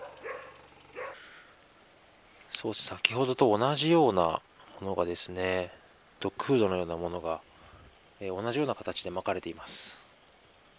先ほどと同じようなものがドッグフードのようなものが同じような形でまかれています。